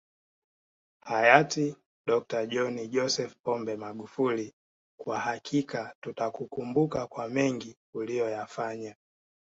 Hayati DkJohn Joseph Pombe Magufuli kwa hakika tutakukumbuka kwa mengi uliyoyafanya